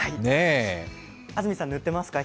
安住さん、塗ってますか？